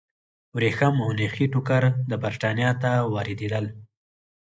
ورېښم او نخي ټوکر برېټانیا ته واردېدل.